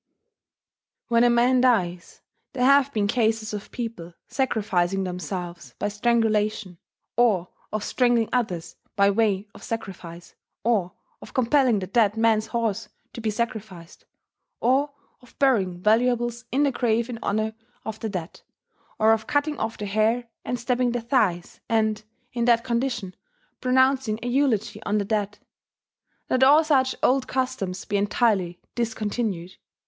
"When a man dies, there have been cases of people sacrificing themselves by strangulation, or of strangling others by way of sacrifice, or of compelling the dead man's horse to be sacrificed, or of burying valuables in the grave in honour of the dead, or of cutting off the hair and stabbing the thighs and [in that condition] pronouncing a eulogy on the dead. Let all such old customs be entirely discontinued."